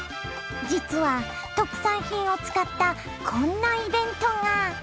実は特産品を使ったこんなイベントが！